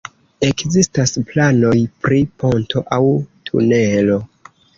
Ekzistas planoj pri ponto aŭ tunelo.